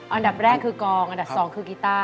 อันดับแรกคือกองอันดับ๒คือกีต้า